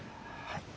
はい。